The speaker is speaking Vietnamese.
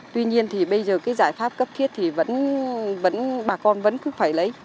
tuy nhiên bây giờ giải pháp cấp thiết thì bà con vẫn cứ phải lấy